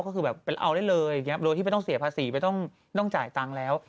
ก็คือแบบเอาได้เลยอย่างนี้โดยที่ไม่ต้องเสียภาษีไม่ต้องจ่ายตังค์แล้ว